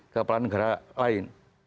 kepala negara lain